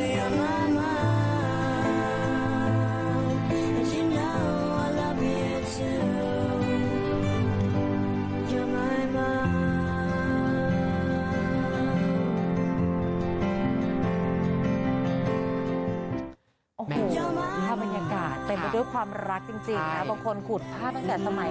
โอ้โหภาพบรรยากาศเต็มไปด้วยความรักจริงนะบางคนขุดภาพตั้งแต่สมัย